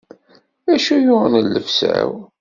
Acu yuɣen llebsa-w?